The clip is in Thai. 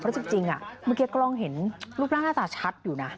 เพราะจริงเมื่อกี้กล้องเห็นรูปร่างหน้าตาชัดอยู่นะ